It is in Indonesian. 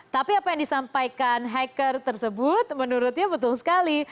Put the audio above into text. tapi apa yang disampaikan hacker tersebut menurutnya betul sekali